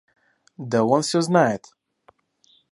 Да он все знает.